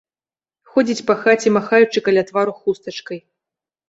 Ходзіць па хаце, махаючы каля твару хустачкай.